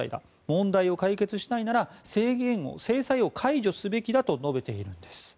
問題を解決したいなら制裁を解除すべきだと述べているんです。